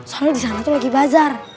soalnya di sana tuh lagi bazar